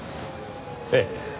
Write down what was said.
ええ。